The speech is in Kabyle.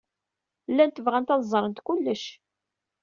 Llant bɣant ad ẓrent kullec.